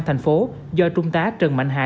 thành phố do trung tá trần mạnh hài